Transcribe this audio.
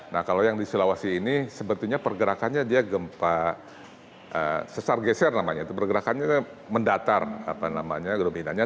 nah kalau yang di sulawesi ini sebetulnya pergerakannya dia gempa sesar geser namanya itu pergerakannya mendatar apa namanya dominannya